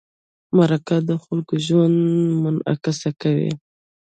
مرکه د خلکو ژوند منعکسوي.